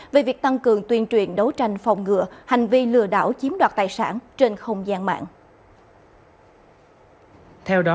về việc tăng cường tuyên truyền đấu tranh phòng ngựa hành vi lừa đảo chiếm đoạt tài sản trên không gian mạng